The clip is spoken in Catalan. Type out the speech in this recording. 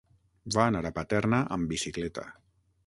Va anar a Paterna amb bicicleta.